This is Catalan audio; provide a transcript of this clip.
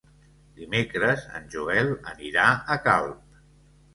Dimecres en Joel anirà a Calp.